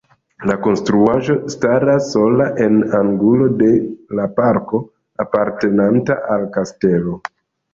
La konstruaĵo staras sola en angulo de la parko apartenanta al kastelo.